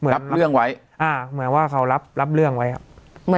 รับเรื่องไว้อ่าเหมือนว่าเขารับรับเรื่องไว้ครับ